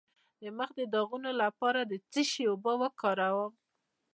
د مخ د داغونو لپاره د څه شي اوبه وکاروم؟